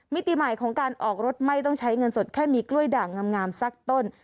มิติใหม่ของการออกรถไม่ต้องใช้เงินสดแค่มีกล้วยด่างงามสักต้น